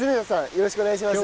よろしくお願いします。